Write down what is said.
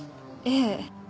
ええ。